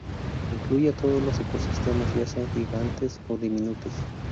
Incluye a todos los ecosistemas, ya sean gigantes o diminutos.